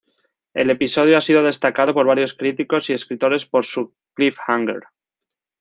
El episodio ha sido destacado por varios críticos y escritores por su cliffhanger.